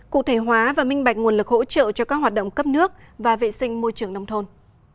cụ thể hóa và minh bạch nguồn lực hỗ trợ cho các hoạt động cấp nước và vệ sinh môi trường nông thôn